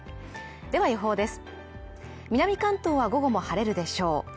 では予報です。